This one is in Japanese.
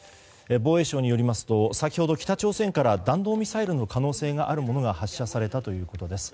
防衛省によりますと先ほど北朝鮮から弾道ミサイルの可能性があるものが発射されたということです。